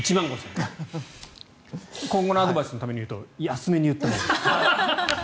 今後のアドバイスのために言うと安めに言ったほうがいい。